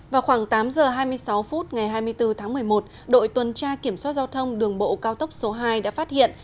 vào khoảng tám giờ hai mươi sáu phút ngày hai mươi bốn tháng một mươi một đội tuần tra kiểm soát giao thông đường bộ cao tốc số hai đã phát hiện